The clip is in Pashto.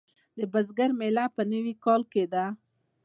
د بزګر میله په نوي کال کې ده.